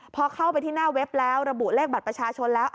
พอเข้าไปที่หน้าเว็บแล้วระบุเลขบัตรประชาชนแล้ว